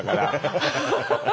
ハハハハ。